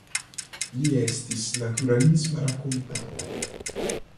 Li estis naturalisma rakontanto.